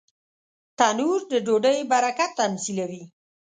تنور د ډوډۍ برکت تمثیلوي